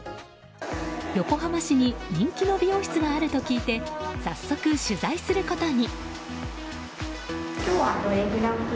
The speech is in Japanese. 横浜市に人気の美容室があると聞いて早速、取材することに。